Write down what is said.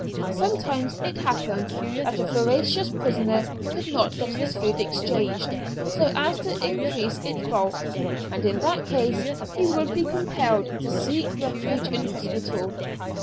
Sometimes it happened that a voracious prisoner could not get his food exchanged so as to increase its bulk, and in that case he would be compelled to seek refuge in hospital.